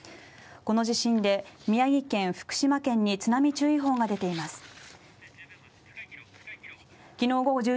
この地震で宮城県福島県に津波注意報が出ています。